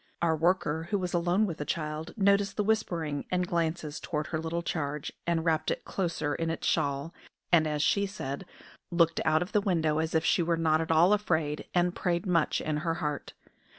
Our worker, who was alone with the child, noticed the whispering and glances toward her little charge, and wrapped it closer in its shawl, and, as she said, "looked out of the window as if she were not at all afraid, and prayed much in her heart."